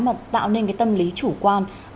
mà tạo nên cái tâm lý chủ quan